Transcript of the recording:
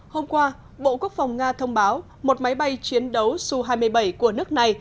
hôm qua bộ quốc phòng nga thông báo một máy bay chiến đấu su hai mươi bảy của nước này